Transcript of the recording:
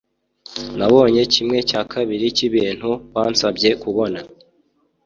Nabonye kimwe cya kabiri cyibintu wansabye kubona